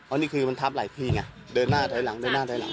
อันนี้คือมันทับหลายที่ไงเดินหน้าถอยหลังเดินหน้าถอยหลัง